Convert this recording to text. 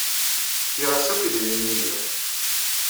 Fkiɣ-as akk idrimen ay liɣ.